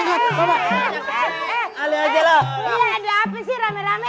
iya ada apa sih rame rame